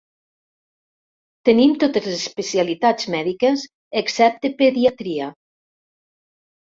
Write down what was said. Tenim totes les especialitats mèdiques, excepte pediatria.